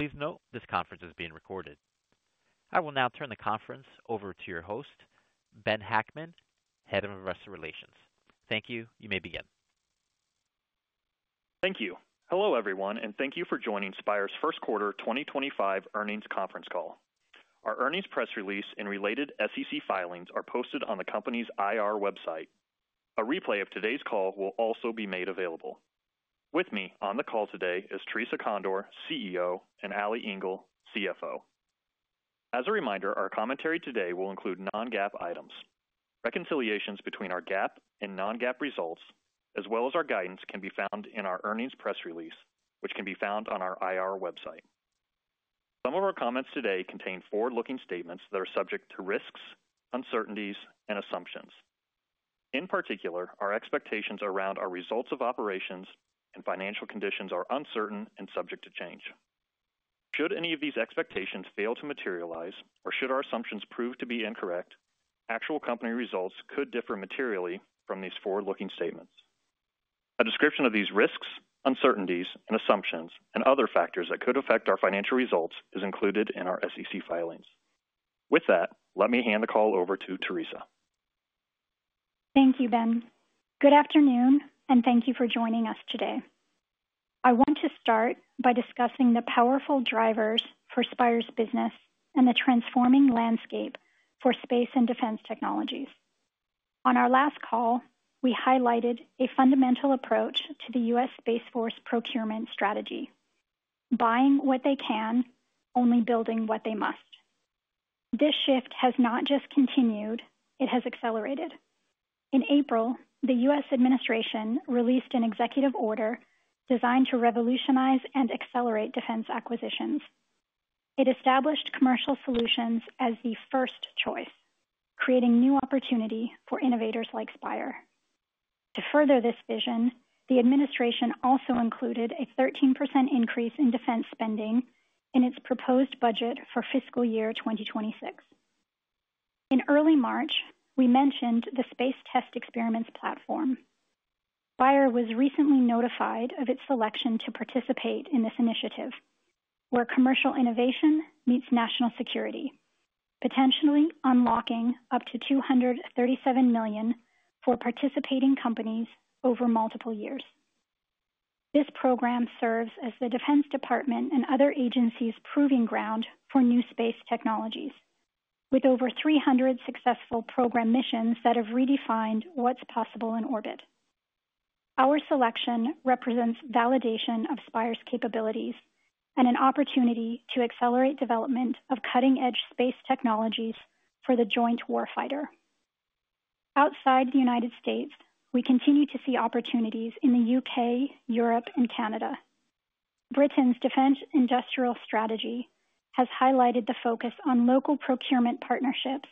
Please note, this conference is being recorded. I will now turn the conference over to your host, Ben Hackman, Head of Investor Relations. Thank you. You may begin. Thank you. Hello, everyone, and thank you for joining Spire's first quarter 2025 earnings conference call. Our earnings press release and related SEC filings are posted on the company's IR website. A replay of today's call will also be made available. With me on the call today is Theresa Condor, CEO, and Ali Engel, CFO. As a reminder, our commentary today will include non-GAAP items. Reconciliations between our GAAP and non-GAAP results, as well as our guidance, can be found in our earnings press release, which can be found on our IR website. Some of our comments today contain forward-looking statements that are subject to risks, uncertainties, and assumptions. In particular, our expectations around our results of operations and financial conditions are uncertain and subject to change. Should any of these expectations fail to materialize, or should our assumptions prove to be incorrect, actual company results could differ materially from these forward-looking statements. A description of these risks, uncertainties, and assumptions, and other factors that could affect our financial results, is included in our SEC filings. With that, let me hand the call over to Theresa. Thank you, Ben. Good afternoon, and thank you for joining us today. I want to start by discussing the powerful drivers for Spire's business and the transforming landscape for space and defense technologies. On our last call, we highlighted a fundamental approach to the U.S. Space Force procurement strategy: buying what they can, only building what they must. This shift has not just continued, it has accelerated. In April, the U.S. administration released an executive order designed to revolutionize and accelerate defense acquisitions. It established commercial solutions as the first choice, creating new opportunity for innovators like Spire. To further this vision, the administration also included a 13% increase in defense spending in its proposed budget for fiscal year 2026. In early March, we mentioned the Space Test Experiments Platform. Spire was recently notified of its selection to participate in this initiative, where commercial innovation meets national security, potentially unlocking up to $237 million for participating companies over multiple years. This program serves as the Defense Department and other agencies' proving ground for new space technologies, with over 300 successful program missions that have redefined what's possible in orbit. Our selection represents validation of Spire's capabilities and an opportunity to accelerate development of cutting-edge space technologies for the joint warfighter. Outside the United States, we continue to see opportunities in the U.K., Europe, and Canada. Britain's Defence Industrial Strategy has highlighted the focus on local procurement partnerships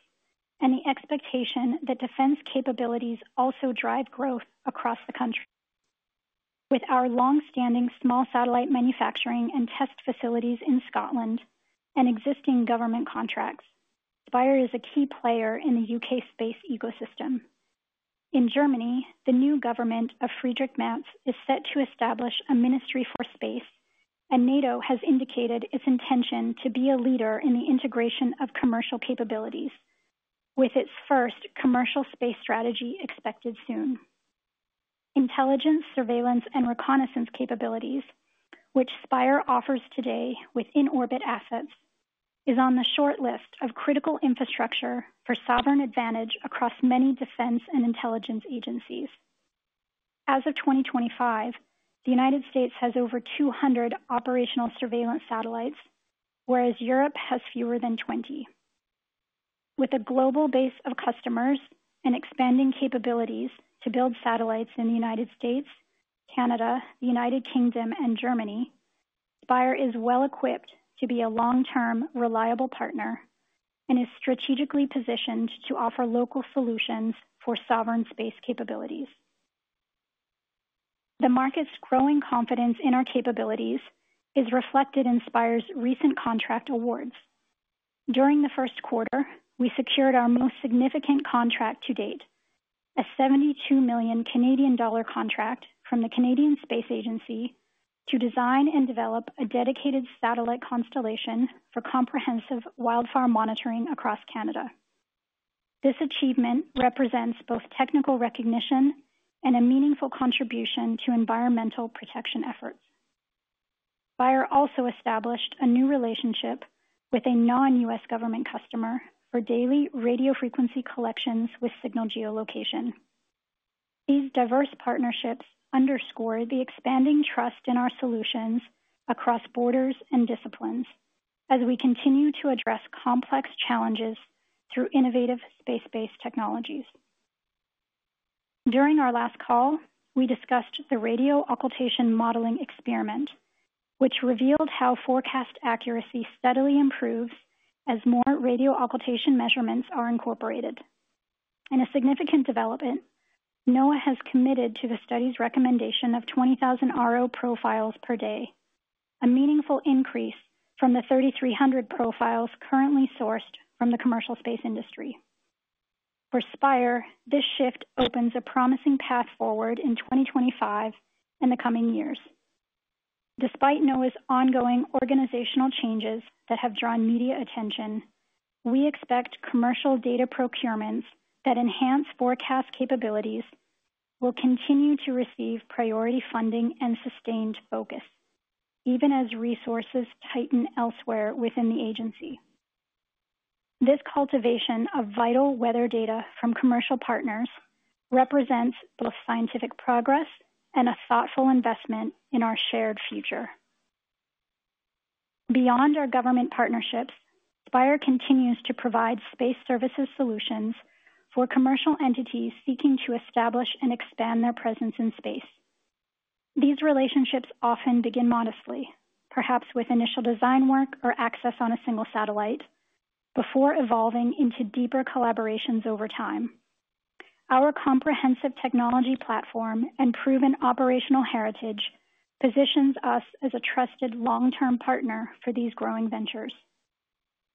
and the expectation that defense capabilities also drive growth across the country. With our long-standing small satellite manufacturing and test facilities in Scotland and existing government contracts, Spire is a key player in the U.K. space ecosystem. In Germany, the new government of Friedrich Merz is set to establish a Ministry for Space, and NATO has indicated its intention to be a leader in the integration of commercial capabilities, with its first commercial space strategy expected soon. Intelligence, surveillance, and reconnaissance capabilities, which Spire offers today with in-orbit assets, are on the short list of critical infrastructure for sovereign advantage across many defense and intelligence agencies. As of 2025, the United States has over 200 operational surveillance satellites, whereas Europe has fewer than 20. With a global base of customers and expanding capabilities to build satellites in the United States, Canada, the United Kingdom, and Germany, Spire is well-equipped to be a long-term reliable partner and is strategically positioned to offer local solutions for sovereign space capabilities. The market's growing confidence in our capabilities is reflected in Spire's recent contract awards. During the first quarter, we secured our most significant contract to date, a 72 million Canadian dollar contract from the Canadian Space Agency to design and develop a dedicated satellite constellation for comprehensive wildfire monitoring across Canada. This achievement represents both technical recognition and a meaningful contribution to environmental protection efforts. Spire also established a new relationship with a non-U.S. government customer for daily radio frequency collections with signal geolocation. These diverse partnerships underscore the expanding trust in our solutions across borders and disciplines as we continue to address complex challenges through innovative space-based technologies. During our last call, we discussed the radio occultation modeling experiment, which revealed how forecast accuracy steadily improves as more radio occultation measurements are incorporated. In a significant development, NOAA has committed to the study's recommendation of 20,000 RO profiles per day, a meaningful increase from the 3,300 profiles currently sourced from the commercial space industry. For Spire, this shift opens a promising path forward in 2025 and the coming years. Despite NOAA's ongoing organizational changes that have drawn media attention, we expect commercial data procurements that enhance forecast capabilities will continue to receive priority funding and sustained focus, even as resources tighten elsewhere within the agency. This cultivation of vital weather data from commercial partners represents both scientific progress and a thoughtful investment in our shared future. Beyond our government partnerships, Spire continues to provide space services solutions for commercial entities seeking to establish and expand their presence in space. These relationships often begin modestly, perhaps with initial design work or access on a single satellite, before evolving into deeper collaborations over time. Our comprehensive technology platform and proven operational heritage positions us as a trusted long-term partner for these growing ventures.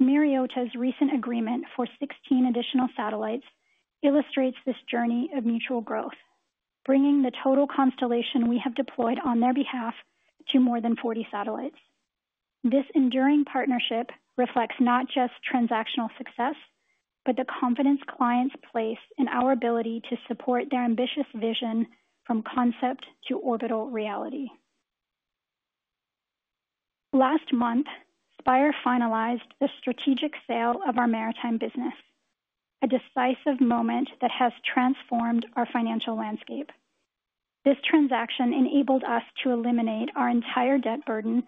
Myriota's recent agreement for 16 additional satellites illustrates this journey of mutual growth, bringing the total constellation we have deployed on their behalf to more than 40 satellites. This enduring partnership reflects not just transactional success, but the confidence clients place in our ability to support their ambitious vision from concept to orbital reality. Last month, Spire finalized the strategic sale of our maritime business, a decisive moment that has transformed our financial landscape. This transaction enabled us to eliminate our entire debt burden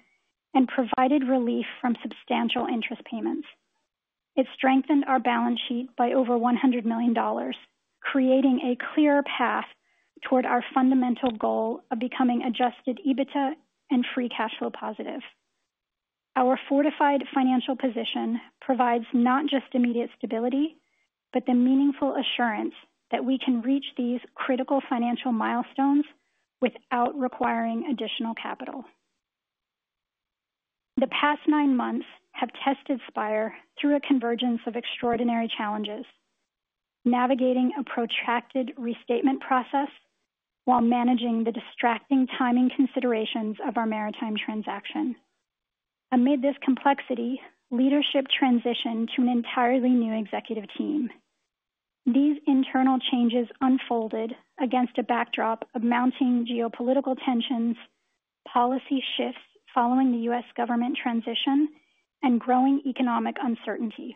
and provided relief from substantial interest payments. It strengthened our balance sheet by over $100 million, creating a clearer path toward our fundamental goal of becoming adjusted EBITDA and free cash flow positive. Our fortified financial position provides not just immediate stability, but the meaningful assurance that we can reach these critical financial milestones without requiring additional capital. The past nine months have tested Spire through a convergence of extraordinary challenges, navigating a protracted restatement process while managing the distracting timing considerations of our maritime transaction. Amid this complexity, leadership transitioned to an entirely new executive team. These internal changes unfolded against a backdrop of mounting geopolitical tensions, policy shifts following the U.S. government transition, and growing economic uncertainty.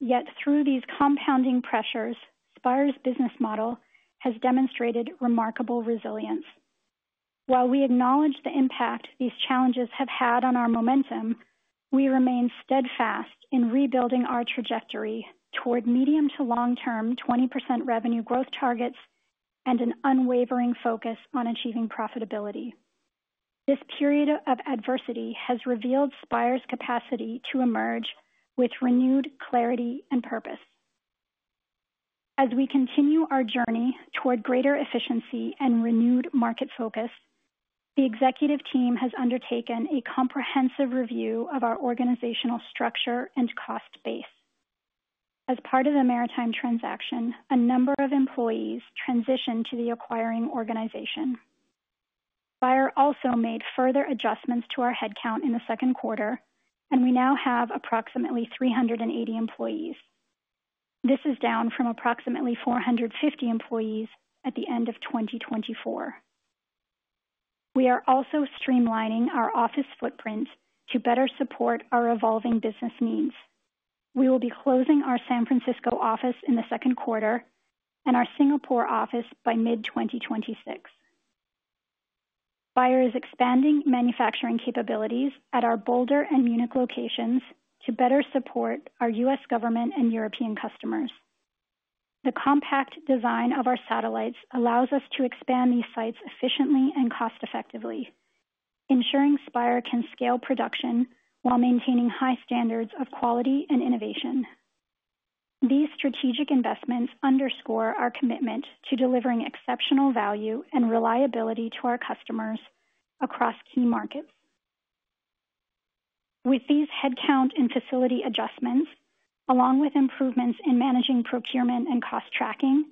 Yet, through these compounding pressures, Spire's business model has demonstrated remarkable resilience. While we acknowledge the impact these challenges have had on our momentum, we remain steadfast in rebuilding our trajectory toward medium to long-term 20% revenue growth targets and an unwavering focus on achieving profitability. This period of adversity has revealed Spire's capacity to emerge with renewed clarity and purpose. As we continue our journey toward greater efficiency and renewed market focus, the executive team has undertaken a comprehensive review of our organizational structure and cost base. As part of the maritime transaction, a number of employees transitioned to the acquiring organization. Spire also made further adjustments to our headcount in the second quarter, and we now have approximately 380 employees. This is down from approximately 450 employees at the end of 2024. We are also streamlining our office footprint to better support our evolving business needs. We will be closing our San Francisco office in the second quarter and our Singapore office by mid-2026. Spire is expanding manufacturing capabilities at our Boulder and Munich locations to better support our U.S. government and European customers. The compact design of our satellites allows us to expand these sites efficiently and cost-effectively, ensuring Spire can scale production while maintaining high standards of quality and innovation. These strategic investments underscore our commitment to delivering exceptional value and reliability to our customers across key markets. With these headcount and facility adjustments, along with improvements in managing procurement and cost tracking,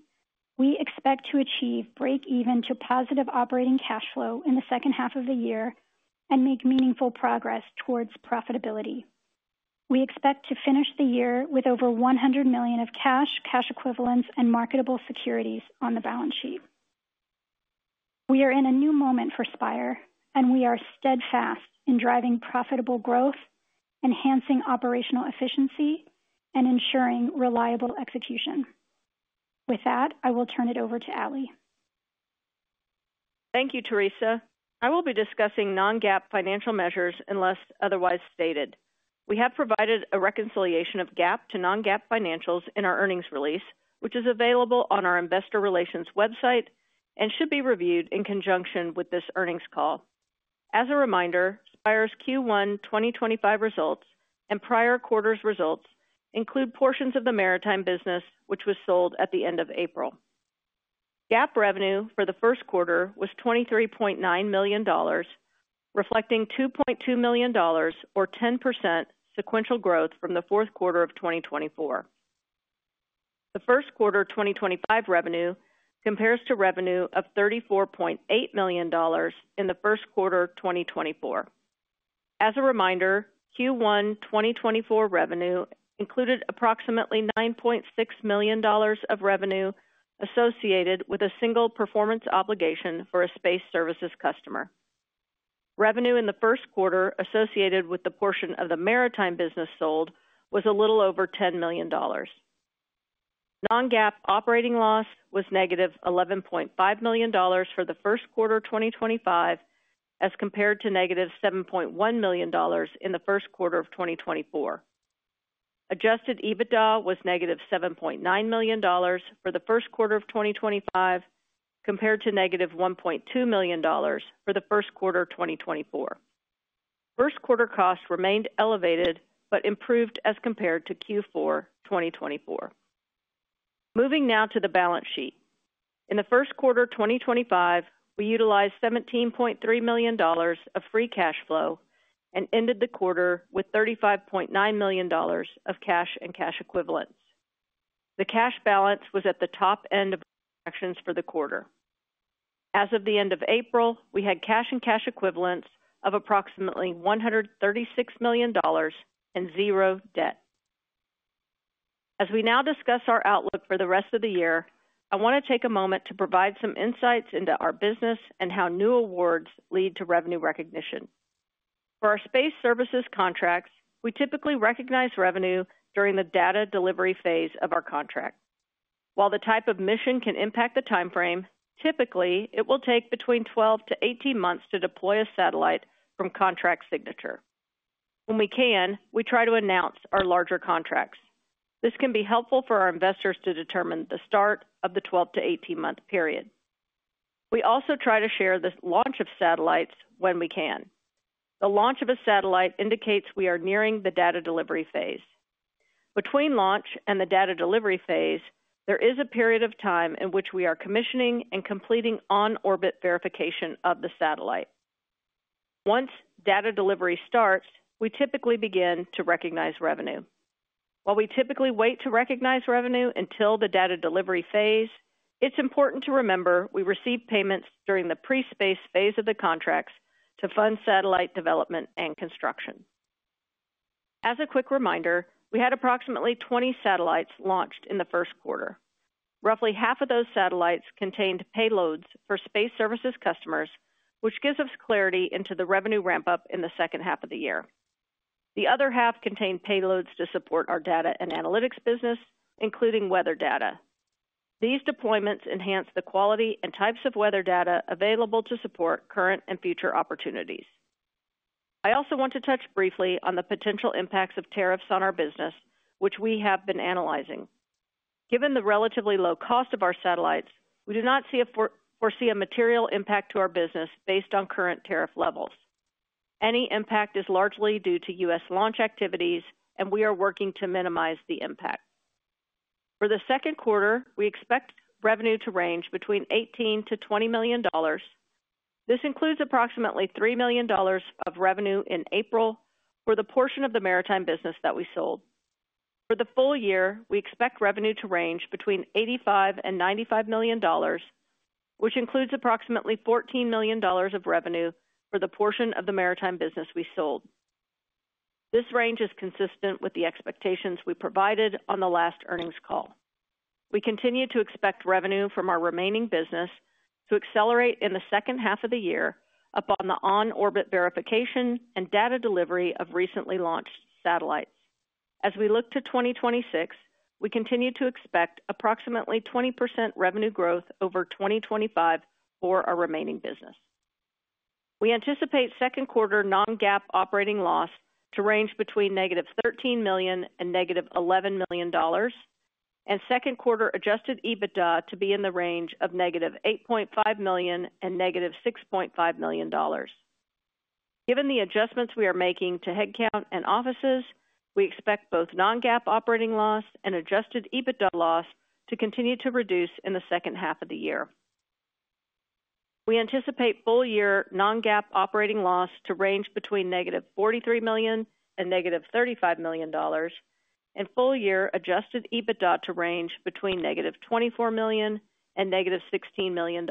we expect to achieve break-even to positive operating cash flow in the second half of the year and make meaningful progress towards profitability. We expect to finish the year with over $100 million of cash, cash equivalents, and marketable securities on the balance sheet. We are in a new moment for Spire, and we are steadfast in driving profitable growth, enhancing operational efficiency, and ensuring reliable execution. With that, I will turn it over to Ali. Thank you, Theresa. I will be discussing non-GAAP financial measures unless otherwise stated. We have provided a reconciliation of GAAP to non-GAAP financials in our earnings release, which is available on our Investor Relations website and should be reviewed in conjunction with this earnings call. As a reminder, Spire's Q1 2025 results and prior quarter's results include portions of the maritime business, which was sold at the end of April. GAAP revenue for the first quarter was $23.9 million, reflecting $2.2 million, or 10% sequential growth from the fourth quarter of 2024. The first quarter 2025 revenue compares to revenue of $34.8 million in the first quarter 2024. As a reminder, Q1 2024 revenue included approximately $9.6 million of revenue associated with a single performance obligation for a space services customer. Revenue in the first quarter associated with the portion of the maritime business sold was a little over $10 million. Non-GAAP operating loss was -$11.5 million for the first quarter 2025, as compared to -$7.1 million in the first quarter of 2024. Adjusted EBITDA was -$7.9 million for the first quarter of 2025, compared to -$1.2 million for the first quarter 2024. First quarter costs remained elevated, but improved as compared to Q4 2024. Moving now to the balance sheet. In the first quarter 2025, we utilized $17.3 million of free cash flow and ended the quarter with $35.9 million of cash and cash equivalents. The cash balance was at the top end of the projections for the quarter. As of the end of April, we had cash and cash equivalents of approximately $136 million and zero debt. As we now discuss our outlook for the rest of the year, I want to take a moment to provide some insights into our business and how new awards lead to revenue recognition. For our space services contracts, we typically recognize revenue during the data delivery phase of our contract. While the type of mission can impact the timeframe, typically it will take between 12-18 months to deploy a satellite from contract signature. When we can, we try to announce our larger contracts. This can be helpful for our investors to determine the start of the 12-18 month period. We also try to share the launch of satellites when we can. The launch of a satellite indicates we are nearing the data delivery phase. Between launch and the data delivery phase, there is a period of time in which we are commissioning and completing on-orbit verification of the satellite. Once data delivery starts, we typically begin to recognize revenue. While we typically wait to recognize revenue until the data delivery phase, it's important to remember we receive payments during the pre-space phase of the contracts to fund satellite development and construction. As a quick reminder, we had approximately 20 satellites launched in the first quarter. Roughly half of those satellites contained payloads for space services customers, which gives us clarity into the revenue ramp-up in the second half of the year. The other half contained payloads to support our data and analytics business, including weather data. These deployments enhance the quality and types of weather data available to support current and future opportunities. I also want to touch briefly on the potential impacts of tariffs on our business, which we have been analyzing. Given the relatively low cost of our satellites, we do not foresee a material impact to our business based on current tariff levels. Any impact is largely due to U.S. launch activities, and we are working to minimize the impact. For the second quarter, we expect revenue to range between $18 million-$20 million. This includes approximately $3 million of revenue in April for the portion of the maritime business that we sold. For the full year, we expect revenue to range between $85 million-$95 million, which includes approximately $14 million of revenue for the portion of the maritime business we sold. This range is consistent with the expectations we provided on the last earnings call. We continue to expect revenue from our remaining business to accelerate in the second half of the year upon the on-orbit verification and data delivery of recently launched satellites. As we look to 2026, we continue to expect approximately 20% revenue growth over 2025 for our remaining business. We anticipate second quarter non-GAAP operating loss to range between -$13 million and -$11 million, and second quarter adjusted EBITDA to be in the range of -$8.5 million and -$6.5 million. Given the adjustments we are making to headcount and offices, we expect both non-GAAP operating loss and adjusted EBITDA loss to continue to reduce in the second half of the year. We anticipate full year non-GAAP operating loss to range between -$43 million and -$35 million, and full year adjusted EBITDA to range between -$24 million and -$16 million.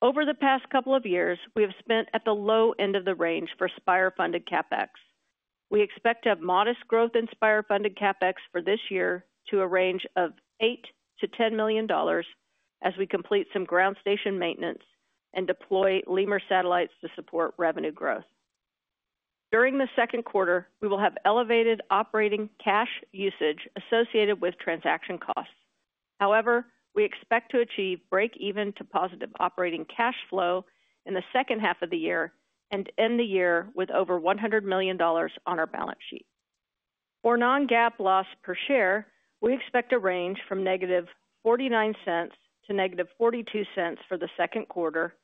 Over the past couple of years, we have spent at the low end of the range for Spire-funded CapEx. We expect to have modest growth in Spire-funded CapEx for this year to a range of $8 million-$10 million as we complete some ground station maintenance and deploy LEMUR satellites to support revenue growth. During the second quarter, we will have elevated operating cash usage associated with transaction costs. However, we expect to achieve break-even to positive operating cash flow in the second half of the year and end the year with over $100 million on our balance sheet. For non-GAAP loss per share, we expect a range from -$0.49 to -$0.42 for the second quarter,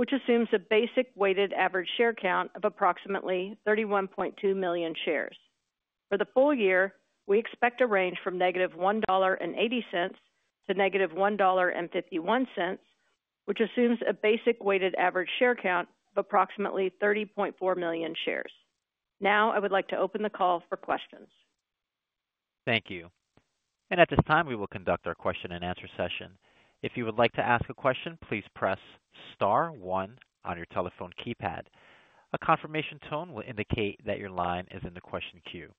which assumes a basic weighted average share count of approximately $31.2 million shares. For the full year, we expect a range from -$1.80 to -$1.51, which assumes a basic weighted average share count of approximately $30.4 million shares. Now, I would like to open the call for questions. Thank you. At this time, we will conduct our question and answer session. If you would like to ask a question, please press Star 1 on your telephone keypad. A confirmation tone will indicate that your line is in the question queue.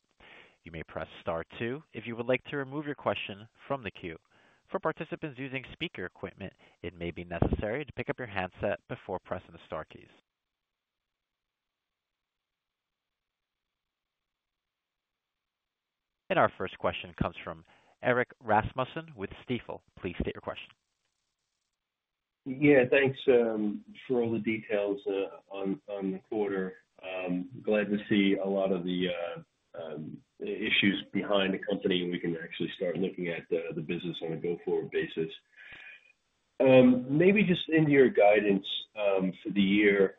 You may press Star 2 if you would like to remove your question from the queue. For participants using speaker equipment, it may be necessary to pick up your handset before pressing the Star keys. Our first question comes from Erik Rasmussen with Stifel. Please state your question. Yeah, thanks for all the details on the quarter. Glad to see a lot of the issues behind the company. We can actually start looking at the business on a go-forward basis. Maybe just in your guidance for the year,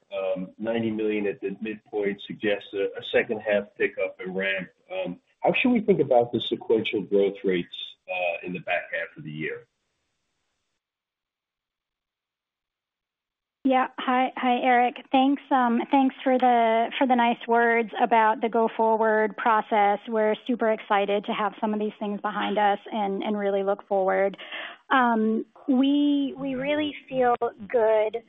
$90 million at the midpoint suggests a second-half pickup and ramp. How should we think about the sequential growth rates in the back half of the year? Yeah. Hi, Erik. Thanks for the nice words about the go-forward process. We're super excited to have some of these things behind us and really look forward. We really feel good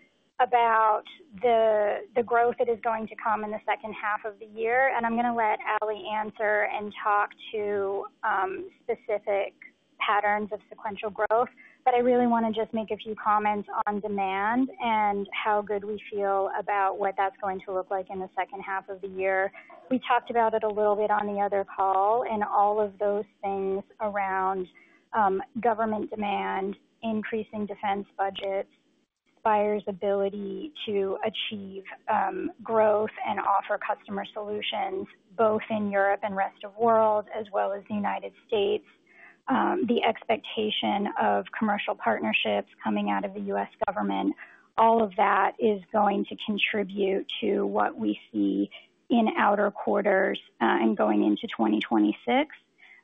about the growth that is going to come in the second half of the year. I'm going to let Ali answer and talk to specific patterns of sequential growth. I really want to just make a few comments on demand and how good we feel about what that's going to look like in the second half of the year. We talked about it a little bit on the other call and all of those things around government demand, increasing defense budgets, Spire's ability to achieve growth and offer customer solutions both in Europe and the rest of the world, as well as the United States. The expectation of commercial partnerships coming out of the U.S. government, all of that is going to contribute to what we see in outer quarters and going into 2026,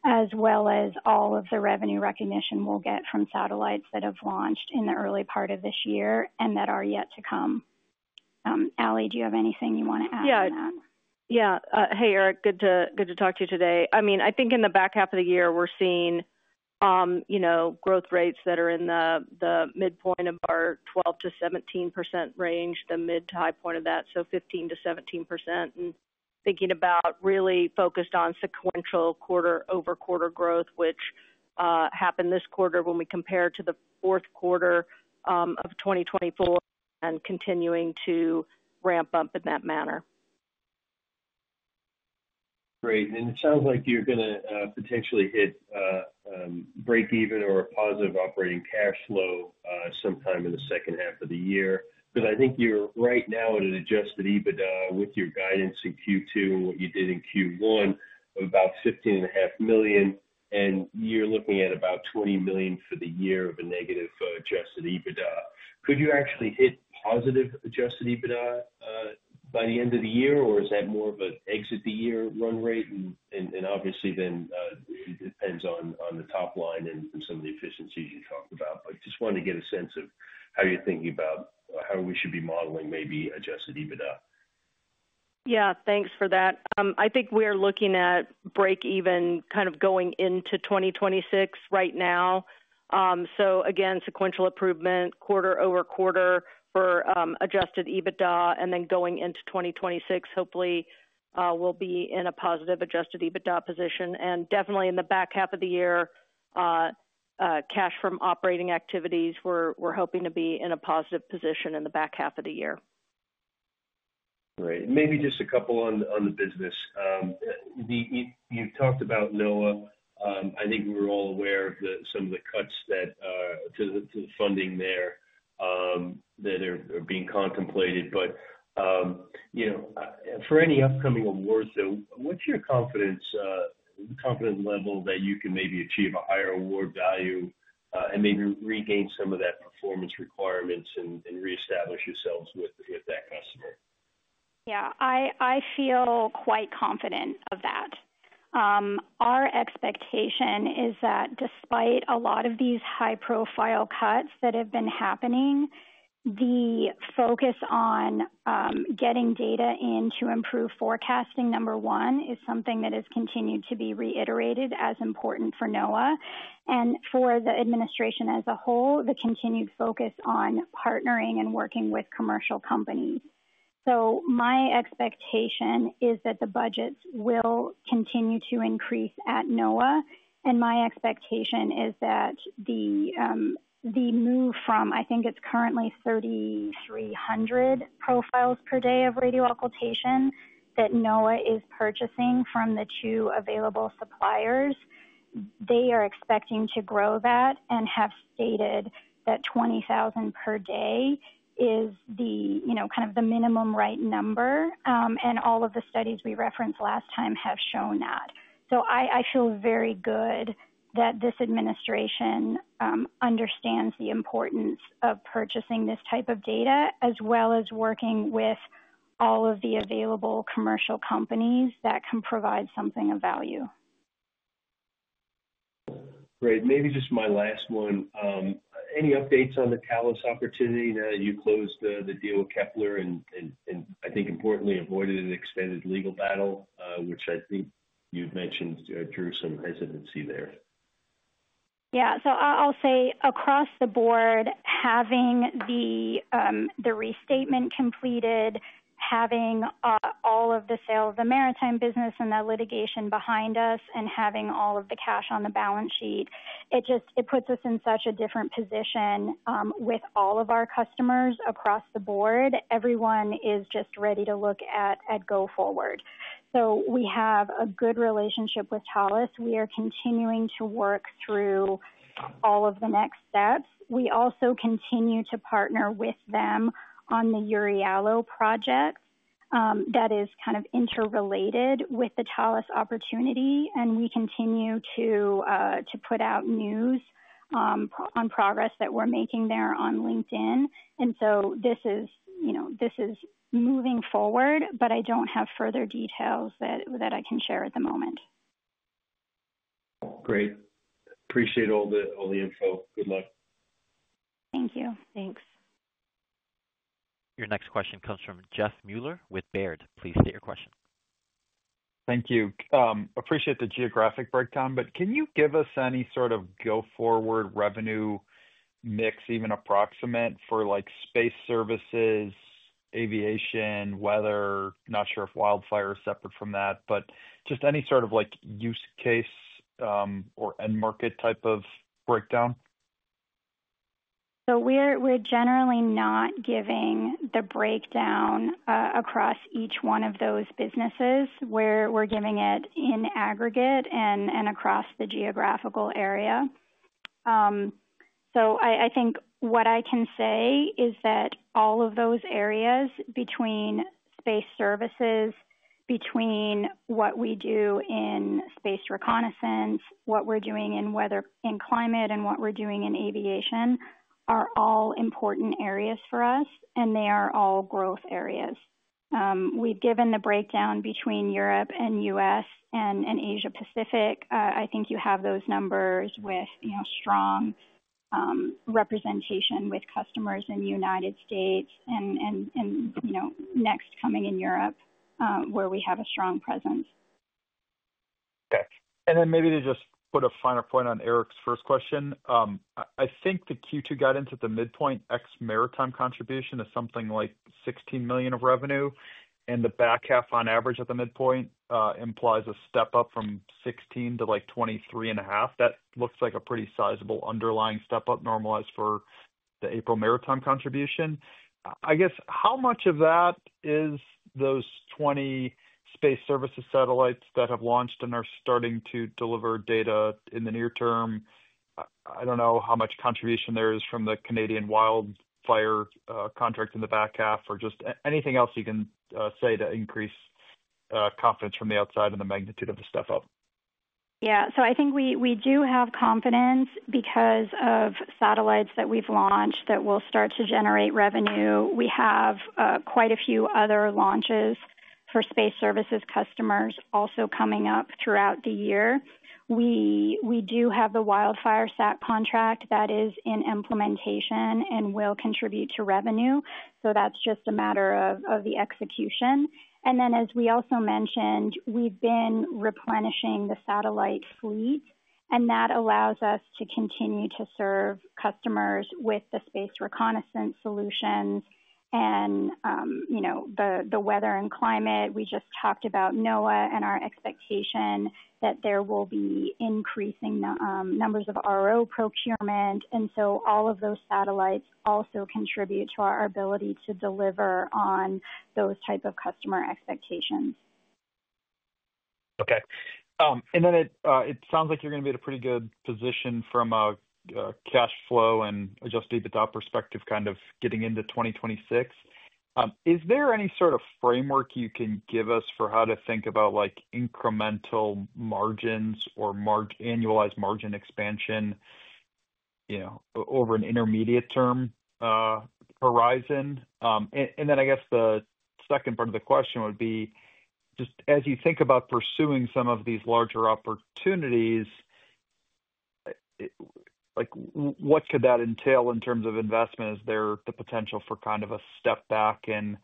as well as all of the revenue recognition we'll get from satellites that have launched in the early part of this year and that are yet to come. Ali, do you have anything you want to add to that? Yeah. Yeah. Hey, Erik. Good to talk to you today. I mean, I think in the back half of the year, we're seeing growth rates that are in the midpoint of our 12%-17% range, the mid to high point of that, so 15%-17%. And thinking about really focused on sequential quarter-over-quarter growth, which happened this quarter when we compare to the fourth quarter of 2024 and continuing to ramp up in that manner. Great. And it sounds like you're going to potentially hit breakeven or a positive operating cash flow sometime in the second half of the year because I think you're right now at an adjusted EBITDA with your guidance in Q2 and what you did in Q1, about $15.5 million and you're looking at about $20 million for the year of a negative adjusted EBITDA. Could you actually hit positive adjusted EBITDA by the end of the year or is that more of an exit the year run rate and obviously then depends on the top line and some of the efficiencies you talked about. But just wanted to get a sense of how you're thinking about how we should be modeling maybe adjusted EBITDA. Yeah. Thanks for that. I think we're looking at break-even kind of going into 2026 right now. Again, sequential improvement quarter over quarter for adjusted EBITDA, and then going into 2026, hopefully, we'll be in a positive adjusted EBITDA position. Definitely in the back half of the year, cash from operating activities, we're hoping to be in a positive position in the back half of the year. Great. Maybe just a couple on the business. You've talked about NOAA. I think we're all aware of some of the cuts to the funding there that are being contemplated. For any upcoming awards, though, what's your confidence level that you can maybe achieve a higher award value and maybe regain some of that performance requirements and reestablish yourselves with that customer? Yeah. I feel quite confident of that. Our expectation is that despite a lot of these high-profile cuts that have been happening, the focus on getting data in to improve forecasting, number one, is something that has continued to be reiterated as important for NOAA. For the administration as a whole, the continued focus on partnering and working with commercial companies. My expectation is that the budgets will continue to increase at NOAA. My expectation is that the move from, I think it's currently 3,300 profiles per day of radio occultation that NOAA is purchasing from the two available suppliers, they are expecting to grow that and have stated that 20,000 per day is kind of the minimum right number. All of the studies we referenced last time have shown that. I feel very good that this administration understands the importance of purchasing this type of data as well as working with all of the available commercial companies that can provide something of value. Great. Maybe just my last one. Any updates on the Thales opportunity now that you closed the deal with Kepler and, I think, importantly, avoided an extended legal battle, which I think you've mentioned drew some hesitancy there? Yeah. I'll say across the board, having the restatement completed, having all of the sales of the maritime business and that litigation behind us, and having all of the cash on the balance sheet, it puts us in such a different position with all of our customers across the board. Everyone is just ready to look at go-forward. We have a good relationship with Thales. We are continuing to work through all of the next steps. We also continue to partner with them on the EURIALO project that is kind of interrelated with the Thales opportunity. We continue to put out news on progress that we're making there on LinkedIn. This is moving forward, but I don't have further details that I can share at the moment. Great. Appreciate all the info. Good luck. Thank you. Thanks. Your next question comes from Jeff Meuler with Baird. Please state your question. Thank you. Appreciate the geographic breakdown. Can you give us any sort of go-forward revenue mix, even approximate, for space services, aviation, weather? Not sure if wildfire is separate from that, but just any sort of use case or end market type of breakdown. We're generally not giving the breakdown across each one of those businesses. We're giving it in aggregate and across the geographical area. I think what I can say is that all of those areas between space services, between what we do in space reconnaissance, what we're doing in weather and climate, and what we're doing in aviation are all important areas for us, and they are all growth areas. We've given the breakdown between Europe and U.S. and Asia-Pacific. I think you have those numbers with strong representation with customers in the United States and next coming in Europe, where we have a strong presence. Okay. And then maybe to just put a finer point on Erik's first question, I think the Q2 guidance at the midpoint ex maritime contribution is something like $16 million of revenue. The back half on average at the midpoint implies a step up from $16 million to $23.5 million. That looks like a pretty sizable underlying step up normalized for the April maritime contribution. I guess how much of that is those 20 space services satellites that have launched and are starting to deliver data in the near term? I don't know how much contribution there is from the Canadian Wildfire contract in the back half or just anything else you can say to increase confidence from the outside and the magnitude of the step up. Yeah. I think we do have confidence because of satellites that we've launched that will start to generate revenue. We have quite a few other launches for space services customers also coming up throughout the year. We do have the WildFireSat contract that is in implementation and will contribute to revenue. That's just a matter of the execution. As we also mentioned, we've been replenishing the satellite fleet. That allows us to continue to serve customers with the space reconnaissance solutions and the weather and climate. We just talked about NOAA and our expectation that there will be increasing numbers of RO procurement. All of those satellites also contribute to our ability to deliver on those type of customer expectations. Okay. It sounds like you're going to be in a pretty good position from a cash flow and adjusted EBITDA perspective kind of getting into 2026. Is there any sort of framework you can give us for how to think about incremental margins or annualized margin expansion over an intermediate-term horizon? I guess the second part of the question would be just as you think about pursuing some of these larger opportunities, what could that entail in terms of investment? Is there the potential for kind of a step back in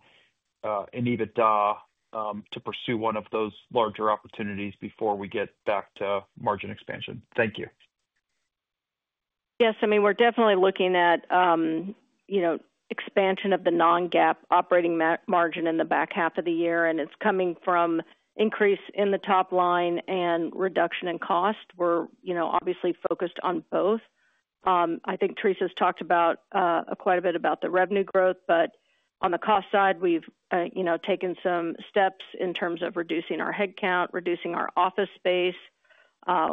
EBITDA to pursue one of those larger opportunities before we get back to margin expansion? Thank you. Yes. I mean, we're definitely looking at expansion of the non-GAAP operating margin in the back half of the year. It is coming from increase in the top line and reduction in cost. We're obviously focused on both. I think Theresa's talked quite a bit about the revenue growth. On the cost side, we've taken some steps in terms of reducing our headcount, reducing our office space.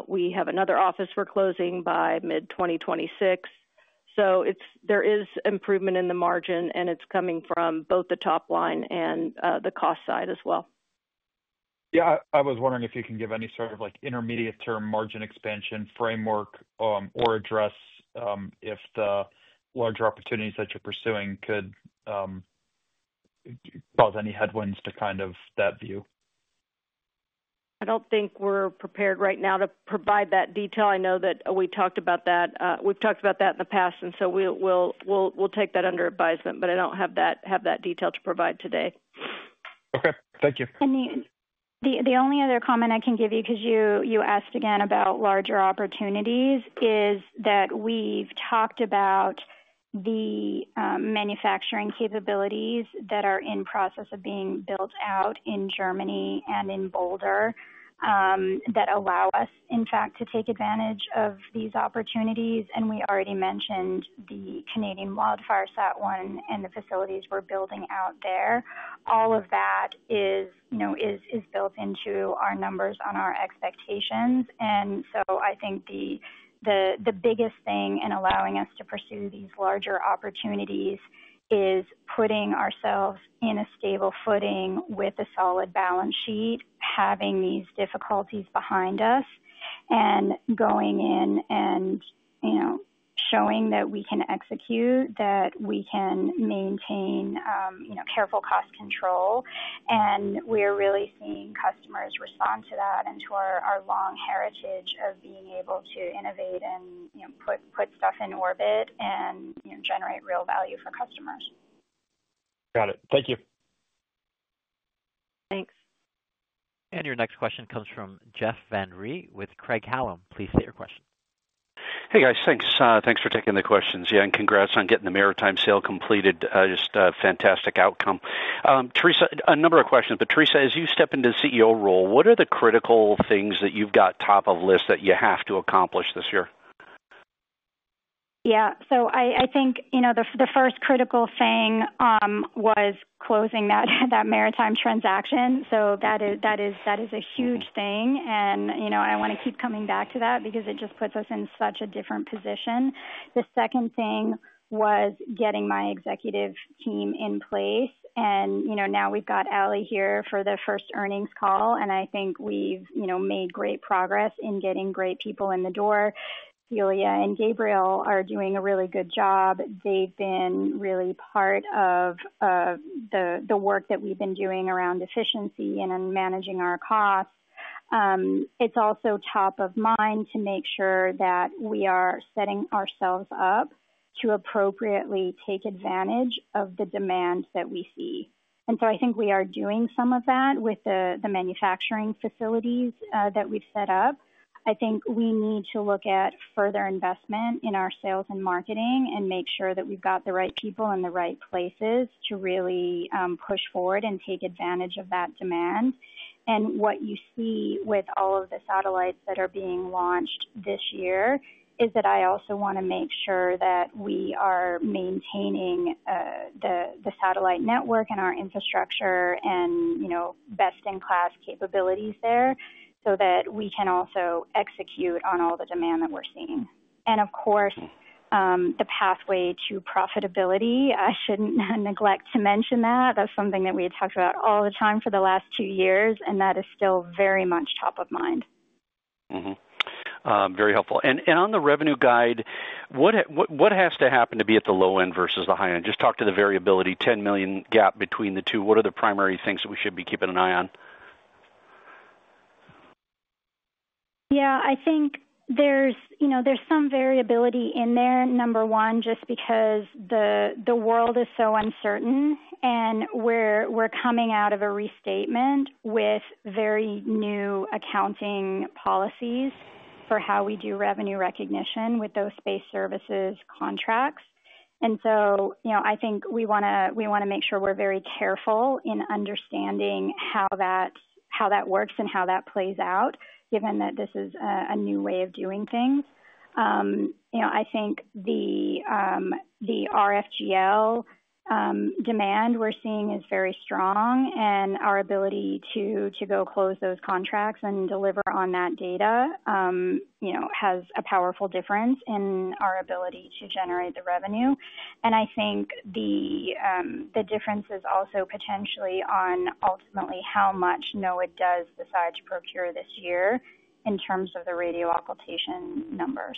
We have another office we're closing by mid-2026. There is improvement in the margin, and it's coming from both the top line and the cost side as well. Yeah. I was wondering if you can give any sort of intermediate-term margin expansion framework or address if the larger opportunities that you're pursuing could cause any headwinds to kind of that view. I don't think we're prepared right now to provide that detail. I know that we talked about that. We've talked about that in the past. We'll take that under advisement. I don't have that detail to provide today. Okay. Thank you. The only other comment I can give you because you asked again about larger opportunities is that we have talked about the manufacturing capabilities that are in process of being built out in Germany and in Boulder that allow us, in fact, to take advantage of these opportunities. We already mentioned the CanadianWildFireSat one and the facilities we are building out there. All of that is built into our numbers on our expectations. I think the biggest thing in allowing us to pursue these larger opportunities is putting ourselves in a stable footing with a solid balance sheet, having these difficulties behind us, and going in and showing that we can execute, that we can maintain careful cost control. We are really seeing customers respond to that and to our long heritage of being able to innovate and put stuff in orbit and generate real value for customers. Got it. Thank you. Thanks. Your next question comes from Jeff Van Rhee with Craig-Hallum. Please state your question. Hey, guys. Thanks. Thanks for taking the questions. Yeah. And congrats on getting the maritime sale completed. Just fantastic outcome. Theresa, a number of questions. But Theresa, as you step into the CEO role, what are the critical things that you've got top of list that you have to accomplish this year? Yeah. I think the first critical thing was closing that maritime transaction. That is a huge thing. I want to keep coming back to that because it just puts us in such a different position. The second thing was getting my executive team in place. Now we've got Ali here for the first earnings call. I think we've made great progress in getting great people in the door. Celia and Gabriel are doing a really good job. They've been really part of the work that we've been doing around efficiency and managing our costs. It's also top of mind to make sure that we are setting ourselves up to appropriately take advantage of the demand that we see. I think we are doing some of that with the manufacturing facilities that we've set up. I think we need to look at further investment in our sales and marketing and make sure that we've got the right people in the right places to really push forward and take advantage of that demand. What you see with all of the satellites that are being launched this year is that I also want to make sure that we are maintaining the satellite network and our infrastructure and best-in-class capabilities there so that we can also execute on all the demand that we're seeing. Of course, the pathway to profitability, I shouldn't neglect to mention that. That's something that we had talked about all the time for the last two years. That is still very much top of mind. Very helpful. On the revenue guide, what has to happen to be at the low end versus the high end? Just talk to the variability, $10 million gap between the two. What are the primary things that we should be keeping an eye on? Yeah. I think there's some variability in there, number one, just because the world is so uncertain. We're coming out of a restatement with very new accounting policies for how we do revenue recognition with those space services contracts. I think we want to make sure we're very careful in understanding how that works and how that plays out, given that this is a new way of doing things. I think the RFGL demand we're seeing is very strong. Our ability to go close those contracts and deliver on that data has a powerful difference in our ability to generate the revenue. I think the difference is also potentially on ultimately how much NOAA does decide to procure this year in terms of the radio occultation numbers.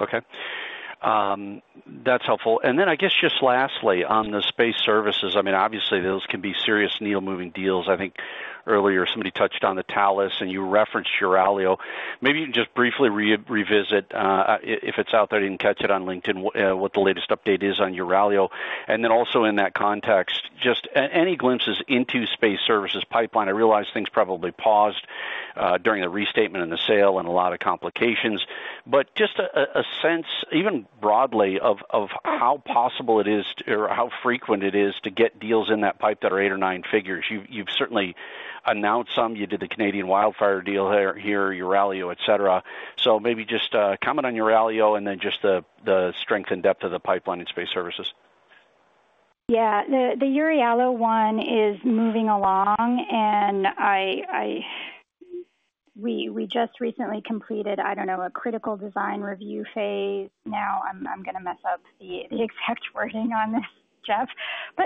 Okay. That's helpful. I guess just lastly on the space services, I mean, obviously, those can be serious needle-moving deals. I think earlier somebody touched on the Thales, and you referenced EURIALO. Maybe you can just briefly revisit, if it's out there, you can catch it on LinkedIn, what the latest update is on EURIALO. Also in that context, just any glimpses into space services pipeline. I realize things probably paused during the restatement and the sale and a lot of complications. Just a sense, even broadly, of how possible it is or how frequent it is to get deals in that pipe that are eight or nine figures. You've certainly announced some. You did the Canadian Wildfire deal here, EURIALO, etc. Maybe just comment on EURIALO and then just the strength and depth of the pipeline in space services. Yeah. The EURIALO one is moving along. We just recently completed, I do not know, a critical design review phase. Now I am going to mess up the exact wording on this, Jeff.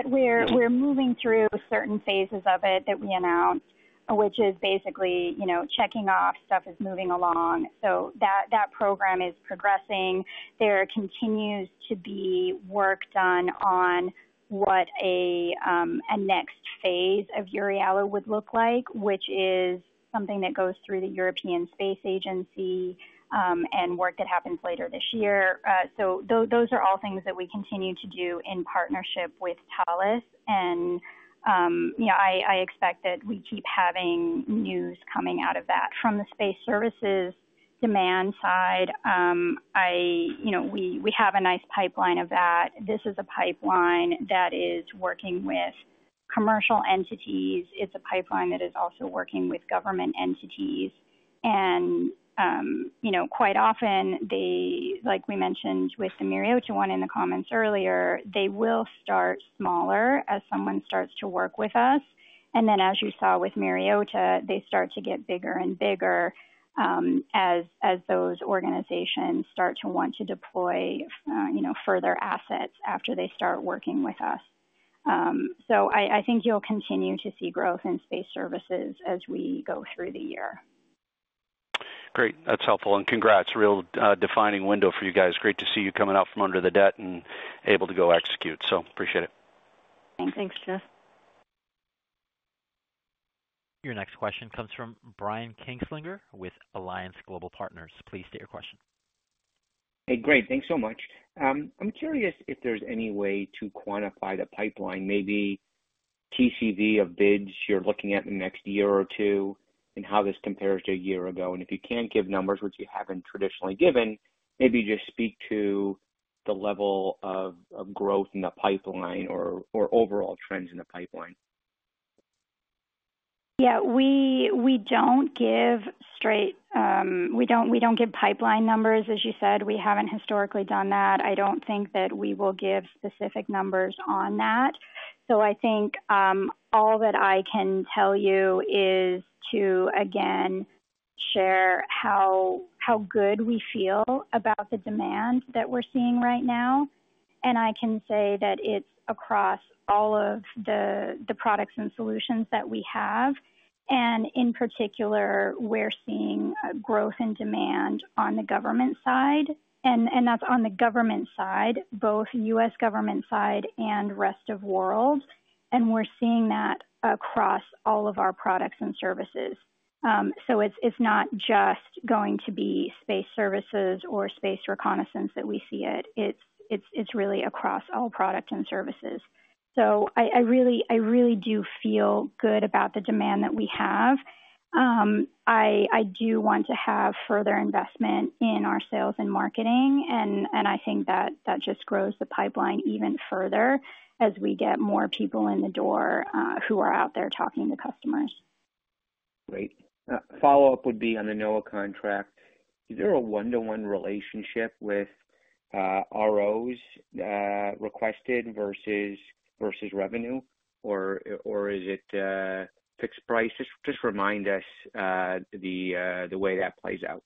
We are moving through certain phases of it that we announced, which is basically checking off stuff is moving along. That program is progressing. There continues to be work done on what a next phase of EURIALO would look like, which is something that goes through the European Space Agency and work that happens later this year. Those are all things that we continue to do in partnership with Thales. I expect that we keep having news coming out of that. From the space services demand side, we have a nice pipeline of that. This is a pipeline that is working with commercial entities. It is a pipeline that is also working with government entities. Quite often, like we mentioned with the Myriota one in the comments earlier, they will start smaller as someone starts to work with us. Then, as you saw with Myriota, they start to get bigger and bigger as those organizations start to want to deploy further assets after they start working with us. I think you'll continue to see growth in space services as we go through the year. Great. That's helpful. Congrats. Real defining window for you guys. Great to see you coming out from under the debt and able to go execute. Appreciate it. Thanks, Jeff. Your next question comes from Brian Kinstlinger with Alliance Global Partners. Please state your question. Hey, great. Thanks so much. I'm curious if there's any way to quantify the pipeline, maybe TCV of bids you're looking at in the next year or two and how this compares to a year ago. If you can't give numbers, which you haven't traditionally given, maybe just speak to the level of growth in the pipeline or overall trends in the pipeline. Yeah. We do not give straight, we do not give pipeline numbers. As you said, we have not historically done that. I do not think that we will give specific numbers on that. I think all that I can tell you is to, again, share how good we feel about the demand that we are seeing right now. I can say that it is across all of the products and solutions that we have. In particular, we are seeing growth in demand on the government side. That is on the government side, both U.S. government side and rest of world. We are seeing that across all of our products and services. It is not just going to be space services or space reconnaissance that we see it. It is really across all products and services. I really do feel good about the demand that we have. I do want to have further investment in our sales and marketing. I think that that just grows the pipeline even further as we get more people in the door who are out there talking to customers. Great. Follow-up would be on the NOAA contract. Is there a one-to-one relationship with ROs requested versus revenue, or is it fixed prices? Just remind us the way that plays out.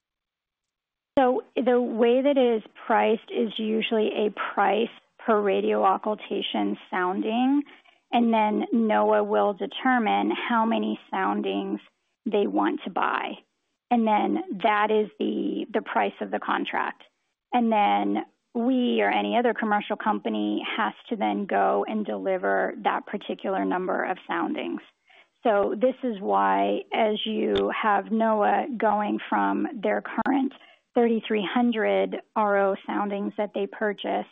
The way that it is priced is usually a price per radio occultation sounding. Then NOAA will determine how many soundings they want to buy. That is the price of the contract. We or any other commercial company has to then go and deliver that particular number of soundings. This is why, as you have NOAA going from their current 3,300 RO soundings that they purchased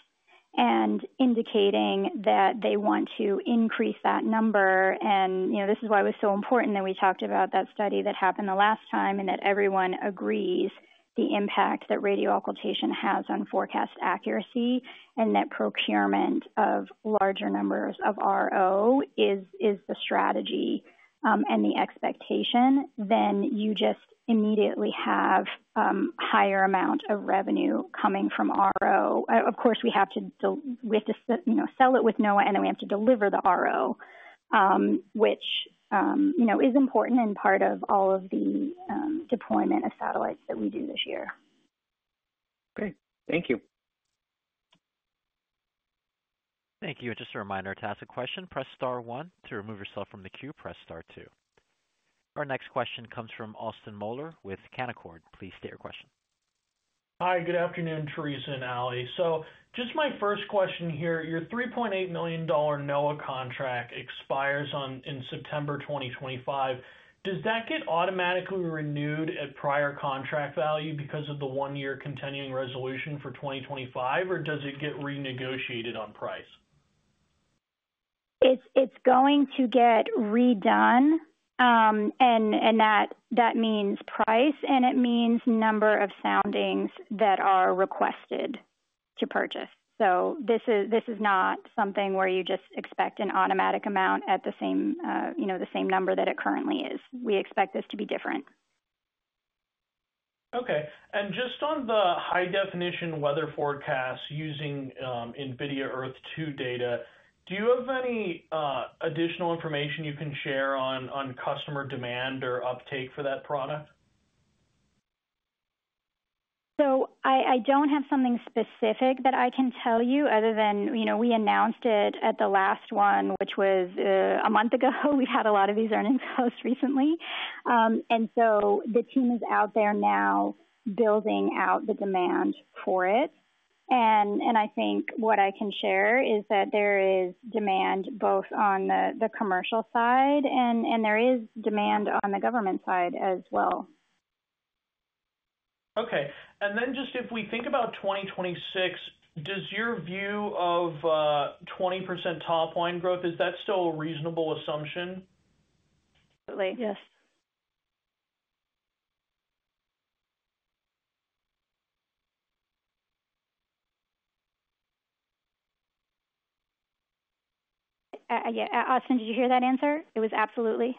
and indicating that they want to increase that number, it was so important that we talked about that study that happened the last time and that everyone agrees the impact that radio occultation has on forecast accuracy and that procurement of larger numbers of RO is the strategy and the expectation. You just immediately have a higher amount of revenue coming from RO. Of course, we have to sell it with NOAA, and then we have to deliver the RO, which is important and part of all of the deployment of satellites that we do this year. Great. Thank you. Thank you. Just a reminder to ask a question, press star one. To remove yourself from the queue, press star two. Our next question comes from Austin Moeller with Canaccord. Please state your question. Hi. Good afternoon, Theresa and Ali. So just my first question here. Your $3.8 million NOAA contract expires in September 2025. Does that get automatically renewed at prior contract value because of the one-year continuing resolution for 2025, or does it get renegotiated on price? It's going to get redone. That means price, and it means number of soundings that are requested to purchase. This is not something where you just expect an automatic amount at the same number that it currently is. We expect this to be different. Okay. And just on the high-definition weather forecasts using NVIDIA Earth-2 data, do you have any additional information you can share on customer demand or uptake for that product? I don't have something specific that I can tell you other than we announced it at the last one, which was a month ago. We've had a lot of these earnings post recently. The team is out there now building out the demand for it. I think what I can share is that there is demand both on the commercial side, and there is demand on the government side as well. Okay. And then just if we think about 2026, does your view of 20% top line growth, is that still a reasonable assumption? Absolutely. Yes. Yeah. Austin, did you hear that answer? It was absolutely.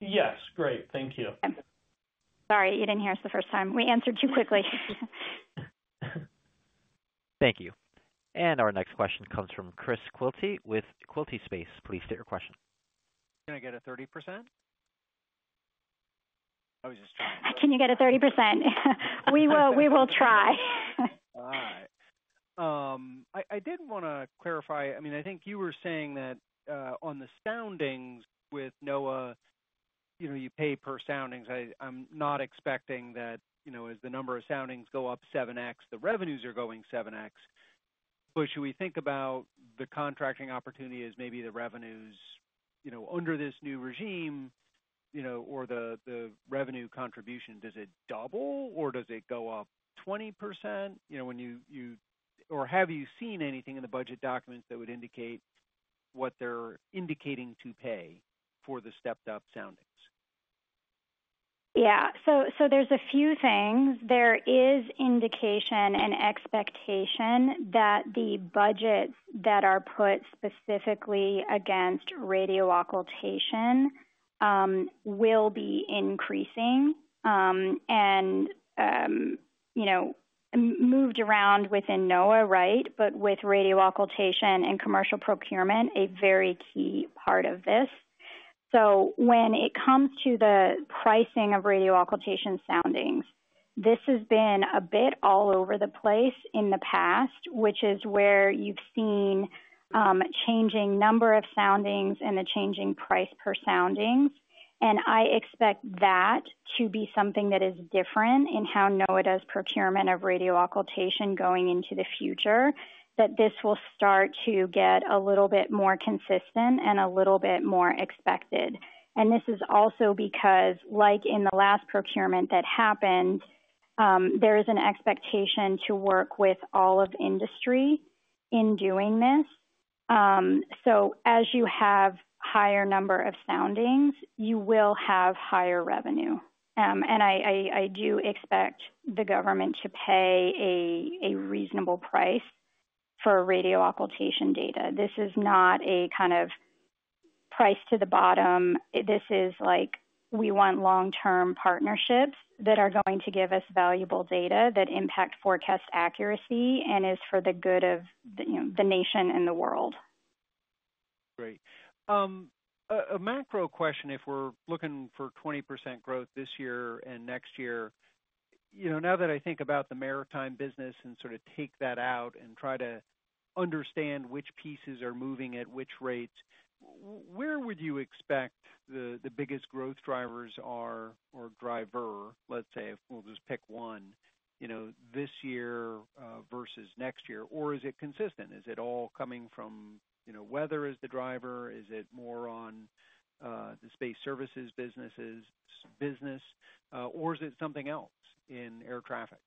Yes. Great. Thank you. Sorry. You did not hear us the first time. We answered too quickly. Thank you. Our next question comes from Chris Quilty with Quilty Space. Please state your question. Can I get a 30%? I was just trying. Can you get a 30%? We will try. All right. I did want to clarify. I mean, I think you were saying that on the soundings with NOAA, you pay per soundings. I'm not expecting that as the number of soundings go up 7x, the revenues are going 7x. But should we think about the contracting opportunity as maybe the revenues under this new regime or the revenue contribution, does it double or does it go up 20%? Or have you seen anything in the budget documents that would indicate what they're indicating to pay for the stepped-up soundings? Yeah. There is a few things. There is indication and expectation that the budgets that are put specifically against radio occultation will be increasing and moved around within NOAA, right, but with radio occultation and commercial procurement, a very key part of this. When it comes to the pricing of radio occultation soundings, this has been a bit all over the place in the past, which is where you have seen a changing number of soundings and a changing price per soundings. I expect that to be something that is different in how NOAA does procurement of radio occultation going into the future, that this will start to get a little bit more consistent and a little bit more expected. This is also because, like in the last procurement that happened, there is an expectation to work with all of industry in doing this. As you have a higher number of soundings, you will have higher revenue. I do expect the government to pay a reasonable price for radio occultation data. This is not a kind of price to the bottom. This is like we want long-term partnerships that are going to give us valuable data that impact forecast accuracy and is for the good of the nation and the world. Great. A macro question, if we're looking for 20% growth this year and next year, now that I think about the maritime business and sort of take that out and try to understand which pieces are moving at which rates, where would you expect the biggest growth drivers are or driver, let's say, if we'll just pick one, this year versus next year? Is it consistent? Is it all coming from weather as the driver? Is it more on the space services business? Is it something else in air traffic?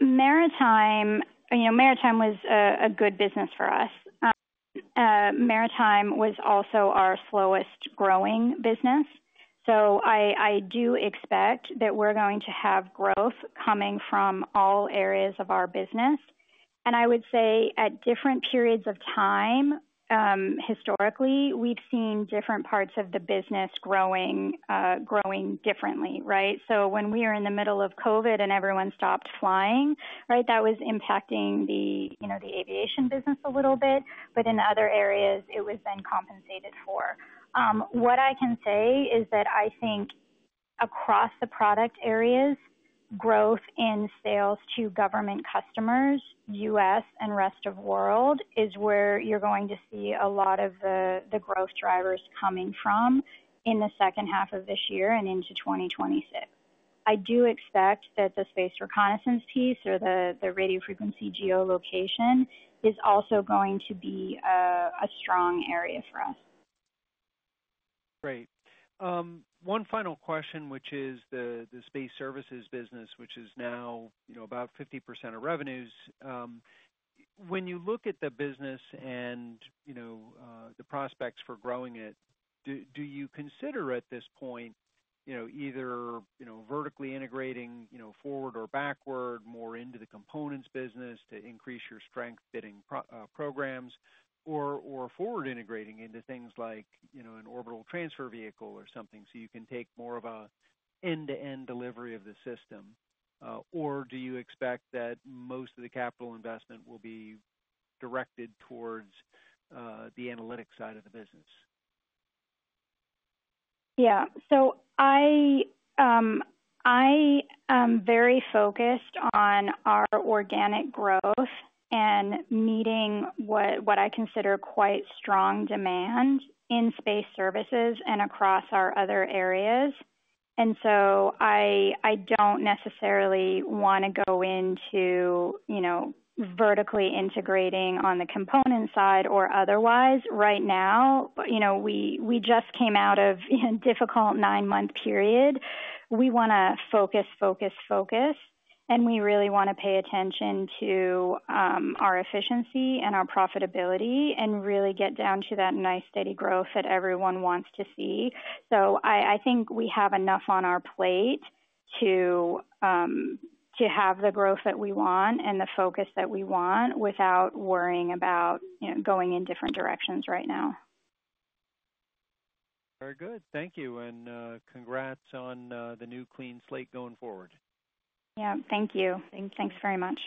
Maritime was a good business for us. Maritime was also our slowest growing business. I do expect that we're going to have growth coming from all areas of our business. I would say at different periods of time, historically, we've seen different parts of the business growing differently, right? When we were in the middle of COVID and everyone stopped flying, right, that was impacting the aviation business a little bit. In other areas, it was then compensated for. What I can say is that I think across the product areas, growth in sales to government customers, U.S. and rest of world, is where you're going to see a lot of the growth drivers coming from in the second half of this year and into 2026. I do expect that the space reconnaissance piece or the radio frequency geolocation is also going to be a strong area for us. Great. One final question, which is the space services business, which is now about 50% of revenues. When you look at the business and the prospects for growing it, do you consider at this point either vertically integrating forward or backward, more into the components business to increase your strength bidding programs, or forward integrating into things like an orbital transfer vehicle or something so you can take more of an end-to-end delivery of the system? Or do you expect that most of the capital investment will be directed towards the analytics side of the business? Yeah. I am very focused on our organic growth and meeting what I consider quite strong demand in space services and across our other areas. I do not necessarily want to go into vertically integrating on the component side or otherwise. Right now, we just came out of a difficult nine-month period. We want to focus, focus, focus. We really want to pay attention to our efficiency and our profitability and really get down to that nice steady growth that everyone wants to see. I think we have enough on our plate to have the growth that we want and the focus that we want without worrying about going in different directions right now. Very good. Thank you. And congrats on the new clean slate going forward. Yeah. Thank you. Thanks very much.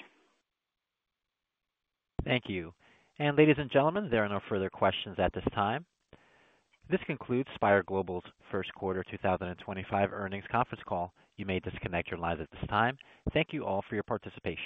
Thank you. Ladies and gentlemen, there are no further questions at this time. This concludes Spire Global's first quarter 2025 earnings conference call. You may disconnect your lines at this time. Thank you all for your participation.